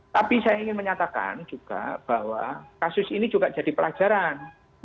tapi saya ingin menyatakan juga bahwa kasus ini juga jadi pelajaran